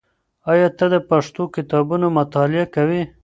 آیا ته د پښتو کتابونو مطالعه کوې؟